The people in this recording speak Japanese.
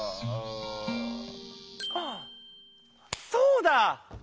あっそうだ！